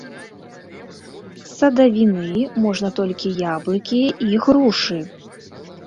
З садавіны можна толькі яблыкі і грушы!!!